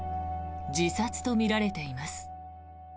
自殺とみられています。